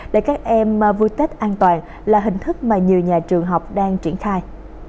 để các em vui tết an toàn là hình thức mà nhiều nhà trường học đang triển khai